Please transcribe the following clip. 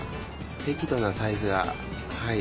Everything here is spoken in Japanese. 適度なサイズがはい。